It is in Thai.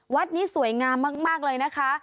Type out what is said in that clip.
วัดนี้สวยงามมากเลยนะคะ